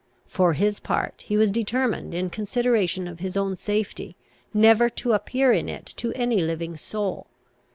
For his part, he was determined, in consideration of his own safety, never to appear in it to any living soul.